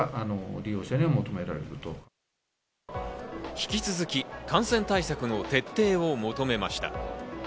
引き続き感染対策の徹底を求めました。